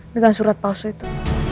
dengan surat palsu itu